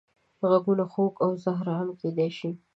غږونه خوږ او زهر هم کېدای شي